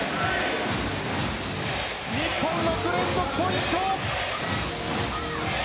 日本、６連続ポイント。